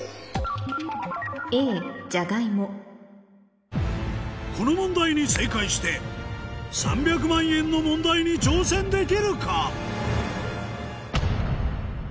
Ａ「ジャガイモ」この問題に正解して３００万円の問題に挑戦できるか？